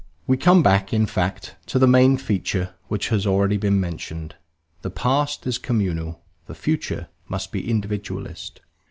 We come back, in fact, to the main feature which has already been mentioned. The past is communal: the future must be individualist.